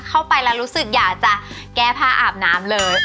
เข้าไปแล้วรู้สึกอยากจะแก้ผ้าอาบน้ำเลย